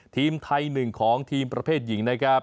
ทีมไทยหนึ่งของทีมประเภทหญิงนะครับ